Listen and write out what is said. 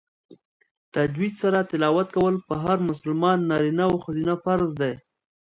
تجوید سره تلاوت کول په هر مسلمان نارینه او ښځینه فرض دی